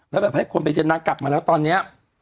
แล้วแบบให้คนไปเชิญนางกลับมาแล้วตอนนี้